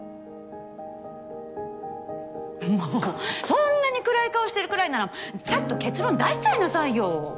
もうそんなに暗い顔してるくらいならちゃっと結論出しちゃいなさいよ。